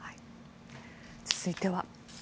続いては。